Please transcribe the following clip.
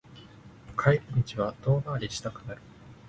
帰り道は遠回りしたくなる